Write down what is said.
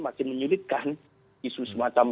makin menyulitkan isu semacam